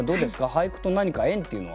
俳句と何か縁っていうのは？